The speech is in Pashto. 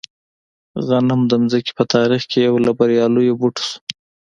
غنم د ځمکې په تاریخ کې یو له بریالیو بوټو شو.